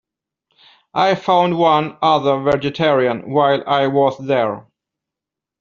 I found one other vegetarian while I was there.